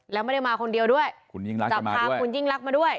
แล้วไม่ได้มาคนเดียวด้วยจับพาคุณยิ่งรักมาด้วย